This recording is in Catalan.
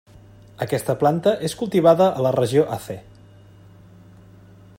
Aquesta planta és cultivada a la regió Aceh.